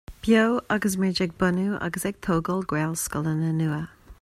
Beo agus muid ag bunú agus ag tógáil Gaelscoileanna nua